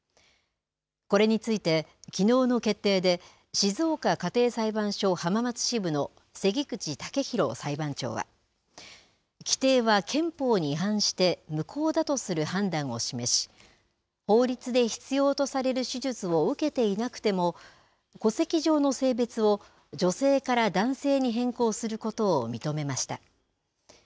これについて、きのうの決定で静岡家庭裁判所浜松支部の関口剛弘裁判長は規定は憲法に違反して無効だとする判断を示し法律で必要とされる手術を受けていなくても戸籍上の性別を女性から男性に変更することを認めました。